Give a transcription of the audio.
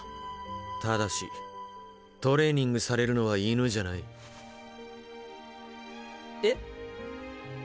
ただしトレーニングされるのは犬じゃない。えっ！？